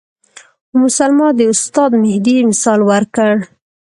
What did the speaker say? ام سلمې د استاد مهدي مثال ورکړ.